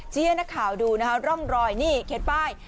ให้นักข่าวดูนะคะร่องรอยนี่เขียนป้าย